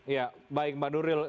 ya baik mbak nuril